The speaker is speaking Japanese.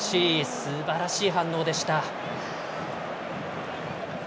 すばらしい反応でした。